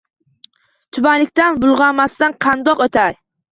Tubanlikdan bulgʼanmasdan qandoq oʼtay.